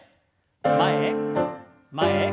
前前。